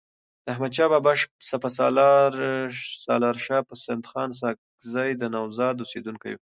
د احمدشاه بابا سپه سالارشاه پسندخان ساکزی د نوزاد اوسیدونکی وو.